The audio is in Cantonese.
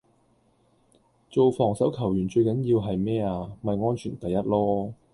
做防守球員最緊要係咩呀?咪安全第一囉